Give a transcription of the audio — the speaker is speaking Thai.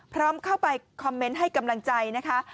พร้อมเข้าไปคอมเมนต์ให้กำลังใจนะคะ